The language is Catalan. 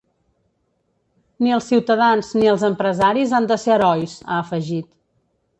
Ni els ciutadans ni els empresaris han de ser herois, ha afegit.